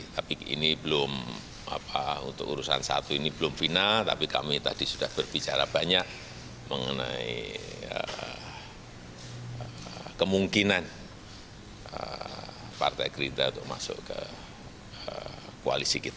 tapi ini belum untuk urusan satu ini belum final tapi kami tadi sudah berbicara banyak mengenai kemungkinan partai gerindra untuk masuk ke koalisi kita